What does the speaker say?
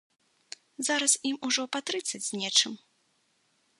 Зараз ім ужо па трыццаць з нечым.